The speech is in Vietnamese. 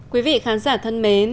quý vị khán giả thân mến